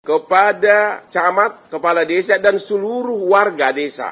kepada camat kepala desa dan seluruh warga desa